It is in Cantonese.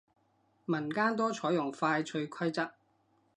民間多採用快脆規則